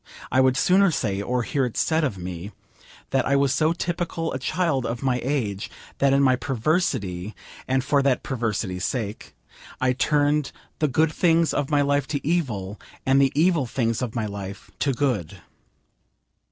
I would sooner say, or hear it said of me, that I was so typical a child of my age, that in my perversity, and for that perversity's sake, I turned the good things of my life to evil, and the evil things of my life to good.